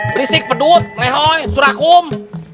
berisik pedut melehoi surakum